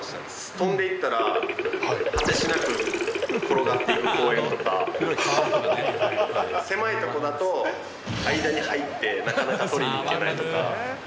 飛んでいったら、果てしなく転がっていく公園とか、狭い所だと、間に入って、なかなか取りに行けないとか。